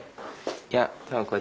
いや。